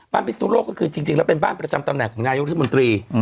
พิศนุโลกก็คือจริงแล้วเป็นบ้านประจำตำแหน่งของนายกรัฐมนตรี